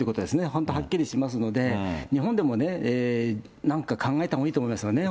本当はっきりしますので、日本でもね、なんか考えたほうがいいと思いますよね。